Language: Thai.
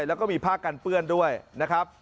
แล้วก็มีผ้ากันเปื้อนด้วยนะครับ